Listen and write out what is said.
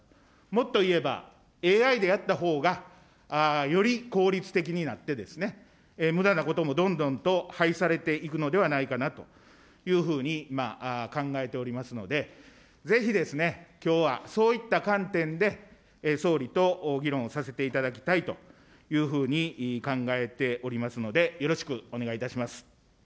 もっと言えばＡＩでやったほうがより効率的になって、むだなこともどんどんと排されていくのではないかなというふうに、考えておりますので、ぜひですね、きょうはそういった観点で、総理と議論させていただきたいというふうに考えておりますので、よろしくお願いいたします。